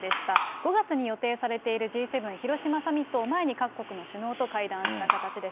５月に予定されているＧ７広島サミットを前に各国の首脳と会談した形です。